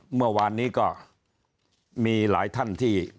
เมื่อวานนี้ก็มีหลายท่านที่